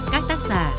các tác giả